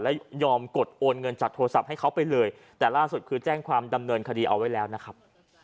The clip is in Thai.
แล้วยอมกดโอนเงินจากโทรศัพท์ให้เขาไปเลยแต่ล่าสุดคือแจ้งความดำเนินคดีเอาไว้แล้วนะครับ